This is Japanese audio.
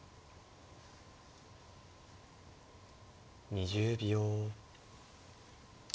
２０秒。